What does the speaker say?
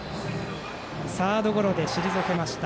サードゴロで退けました。